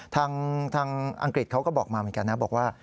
ทางอังกฤษเขาก็บอกมาเหมือนกันนะบอกว่า